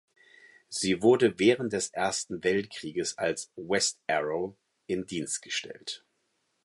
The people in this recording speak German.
Sie wurde während des Ersten Weltkrieges als "West Arrow" in Dienst gestellt.